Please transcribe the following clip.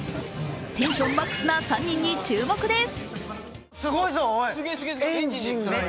テンションマックスな３人に注目です。